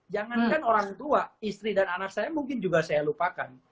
jangankan orang tua istri dan anak saya mungkin juga saya lupakan